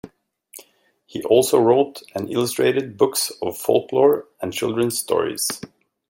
He also wrote and illustrated books of folklore and children's stories.